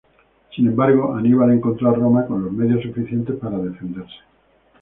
Sin embargo, Aníbal encontró a Roma con los medios suficientes para defenderse.